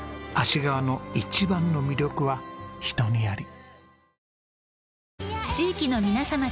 芦川の一番の魅力は人にあり。